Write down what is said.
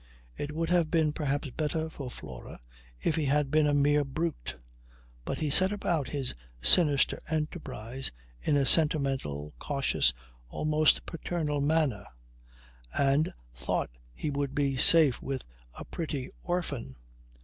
It would have been perhaps better for Flora if he had been a mere brute. But he set about his sinister enterprise in a sentimental, cautious, almost paternal manner; and thought he would be safe with a pretty orphan.